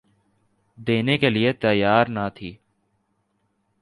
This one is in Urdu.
دینے کے لئے تیّار نہ تھی۔